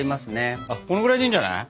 このぐらいでいいんじゃない？